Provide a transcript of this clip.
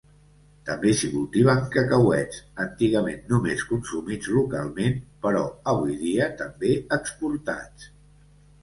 També s'hi cultiven cacauets, antigament només consumits localment però avui dia també exportats.